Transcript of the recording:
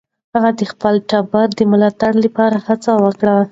هغه د خپل ټبر د ملاتړ لپاره هڅه وکړه.